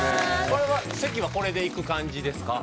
席はこれでいく感じですか？